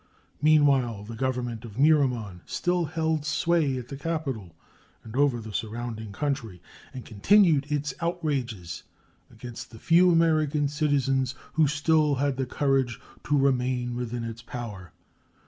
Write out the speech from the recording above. Meanwhile the Government of Miramon still held sway at the capital and over the surrounding country, and continued its outrages against the few American citizens who still had the courage to remain within its power.